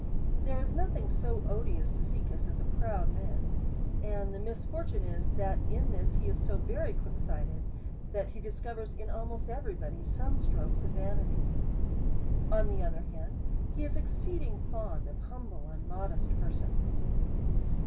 There is nothing so odious to Caecus as a proud man ; and the misfortune is, that in this he is so very quick sighted, that he discovers in almost every body some strokes of vanity. On the other hand, he is exceeding fond of humble and modest persons.